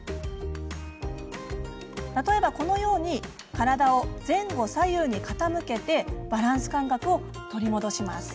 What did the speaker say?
例えばこのように体を前後左右に傾けてバランス感覚を取り戻します。